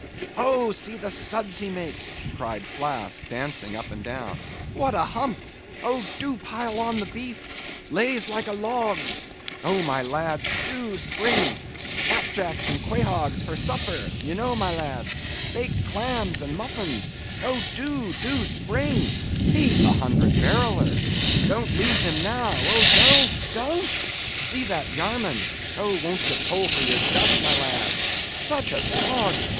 "Oh! see the suds he makes!" cried Flask, dancing up and down—"What a hump—Oh, do pile on the beef—lays like a log! Oh! my lads, do spring—slap jacks and quahogs for supper, you know, my lads—baked clams and muffins—oh, do, do, spring,—he's a hundred barreller—don't lose him now—don't oh, don't!—see that Yarman—Oh, won't ye pull for your duff, my lads—such a sog!